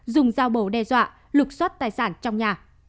dùng giao bầu đe dọa lục xót tài sản trong nhà